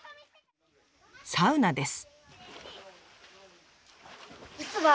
サウナです。